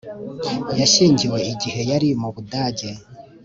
Yashyingiwe igihe yari mu Budage